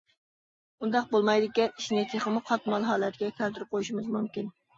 ئۇنداق بولمايدىكەن ئىشنى تېخىمۇ قاتمال ھالەتكە كەلتۈرۈپ قويۇشىمىز مۇمكىن.